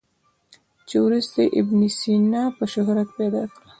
چې وروسته یې ابن سینا په شهرت پیدا کړ.